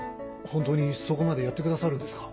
ホントにそこまでやってくださるんですか？